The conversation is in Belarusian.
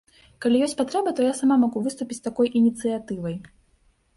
Калі ёсць патрэба, то я сама магу выступіць з такой ініцыятывай.